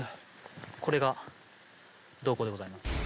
これが洞口でございます。